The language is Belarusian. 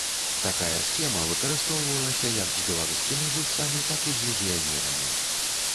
Такая схема выкарыстоўвалася як з беларускімі гульцамі, так і з легіянерамі.